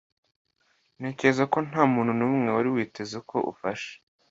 Ntekereza ko ntamuntu numwe wari witeze ko ufasha